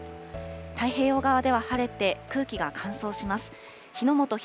太平洋側では晴れて、空気が乾燥します。